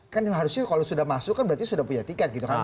kan yang harusnya kalau sudah masuk kan berarti sudah punya tiket gitu kan